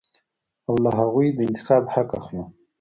او له هغوى د انتخاب حق اخلو.